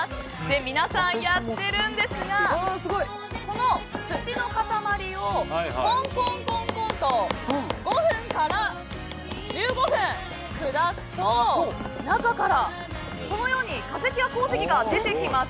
皆さんやってるんですがこの土の塊を、こんこんと５分から１５分砕くと中からこのように化石や鉱石が出てきます。